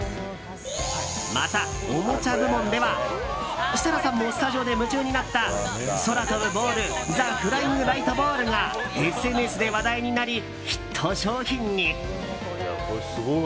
また、おもちゃ部門では設楽さんもスタジオで夢中になった、空飛ぶボールザ・フライングライトボールがＳＮＳで話題になりヒット商品に。